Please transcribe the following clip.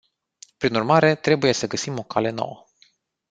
Prin urmare, trebuie să găsim o cale nouă.